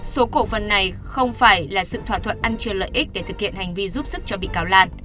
số cổ phần này không phải là sự thỏa thuận ăn chia lợi ích để thực hiện hành vi giúp sức cho bị cáo lan